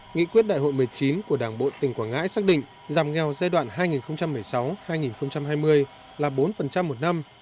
nghị quyết đại hội một mươi chín của đảng bộ tỉnh quảng ngãi xác định giảm nghèo giai đoạn hai nghìn một mươi sáu hai nghìn hai mươi là bốn một năm